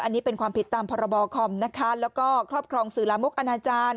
อันนี้เป็นความผิดตามพรบคอมนะคะแล้วก็ครอบครองสื่อลามกอนาจารย์